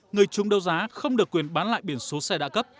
người chung đấu giá không được quyền bán lại biển số xe đã cấp